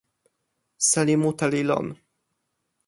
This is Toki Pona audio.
seli mute li lon.